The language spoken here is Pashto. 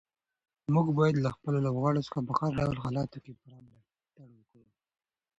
موږ باید له خپلو لوبغاړو څخه په هر ډول حالاتو کې پوره ملاتړ وکړو.